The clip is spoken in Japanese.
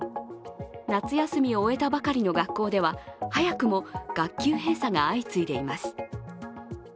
夏休みを終えたばかりの学校では早くも学級閉鎖が相次いでいます。